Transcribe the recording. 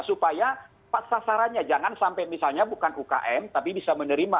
supaya sasarannya jangan sampai misalnya bukan ukm tapi bisa menerima